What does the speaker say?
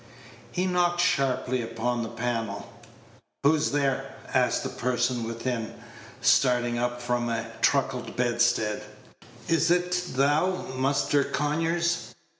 He knocked sharply upon the panel. "Who's there?" asked the person within, starting up from a truckle bedstead. "Is 't thou, Muster Conyers?"